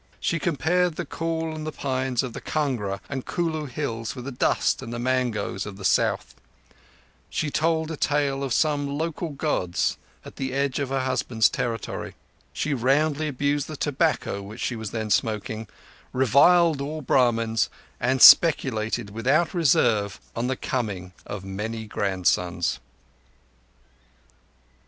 She compared the cool and the pines of the Kangra and Kulu hills with the dust and the mangoes of the South; she told a tale of some old local Gods at the edge of her husband's territory; she roundly abused the tobacco which she was then smoking, reviled all Brahmins, and speculated without reserve on the coming of many grandsons.